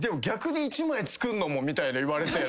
みたいに言われて。